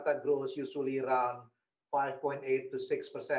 perkembangan jakarta biasanya